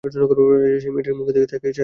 রাজা সেই মেয়েটির মুখের দিকের চাহিয়া দেখিলেন।